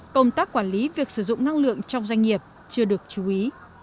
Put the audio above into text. công tác quản lý việc sử dụng năng lượng trong doanh nghiệp chưa được chú ý